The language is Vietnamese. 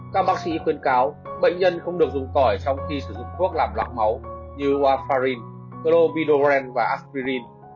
các bác sĩ khuyên cáo bệnh nhân không được dùng tỏi trong khi sử dụng thuốc làm lọc máu như warfarin clovidogren và aspirin